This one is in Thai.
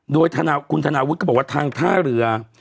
โดยคุณธนาวุฒิก็บอกว่าทางท่าเรือ